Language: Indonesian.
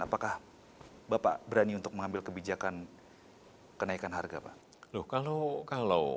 apakah bapak berani untuk mengambil kebijakan kenaikan harga pak